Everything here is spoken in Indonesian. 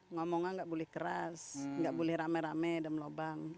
ngomongnya enggak boleh keras enggak boleh rame rame dan melobang